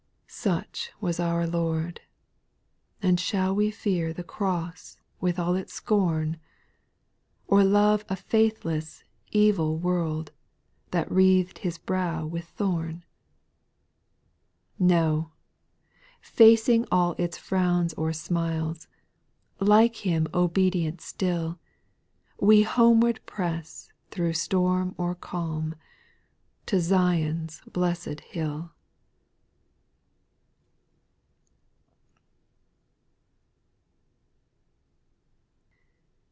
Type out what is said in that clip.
8. Such was our Lord, — and shall we fear The cross, with all its scorn ? Or love a faithless, evil world, That wreath'd His brow with thorn ? 4. No ! facing all its frowns or smiles. Like Him obedient still. We homeward press through storm or calm, To Zion's blessed hill.